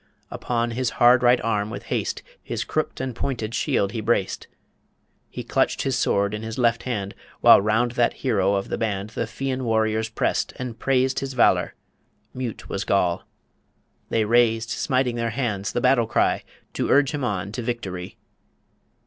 Upon his hard right arm with haste His crooked and pointed shield he braced, He clutched his sword in his left hand While round that hero of the band The Fian warriors pressed, and praised His valour ... Mute was Goll ... They raised, Smiting their hands, the battle cry, To urge him on to victory.